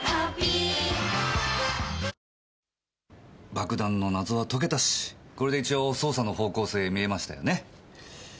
爆弾の謎は解けたしこれで一応捜査の方向性見えましたよね？